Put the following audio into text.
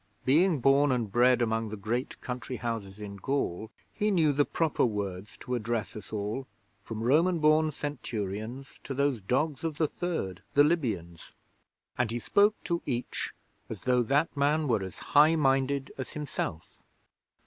Being born and bred among the great country houses in Gaul, he knew the proper words to address to all from Roman born Centurions to those dogs of the Third the Libyans. And he spoke to each as though that man were as high minded as himself.